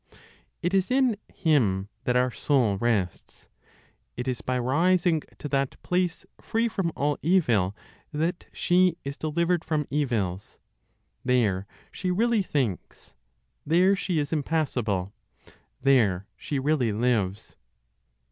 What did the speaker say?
It is in Him that our soul rests; it is by rising to that place free from all evil that she is delivered from evils; there she really thinks, there she is impassible, there she really lives.